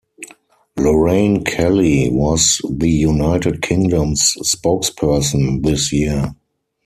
Lorraine Kelly was the United Kingdom's spokesperson this year.